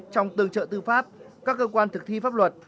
trong tương trợ tư pháp các cơ quan thực thi pháp luật